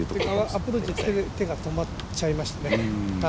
アプローチで手が止まっちゃいましたね。